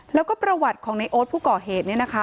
แล้วก็ประวัติของในโอ๊ตผู้ก่อเหตุเนี่ยนะคะ